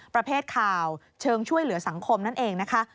ประเภทข่าวเชิงช่วยเหลือสังคมนั่นเองนะคะ